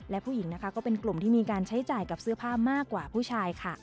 และผู้หญิงนะคะก็เป็นกลุ่มที่มีการใช้จ่ายกับเสื้อผ้ามากกว่าผู้ชายค่ะ